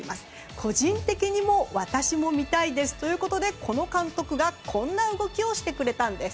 個人的にも私も見たいですということでこの監督がこんな動きをしてくれたんです。